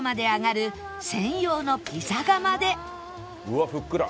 うわふっくら！